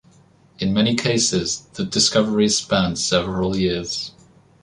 In many cases, the discoveries spanned several years.